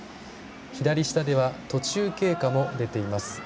左下では途中経過も出ています。